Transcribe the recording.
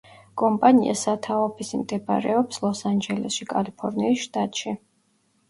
კომპანია სათაო ოფისი მდებარეობს ლოს-ანჯელესში, კალიფორნიის შტატში.